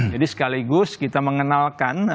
jadi sekaligus kita mengenalkan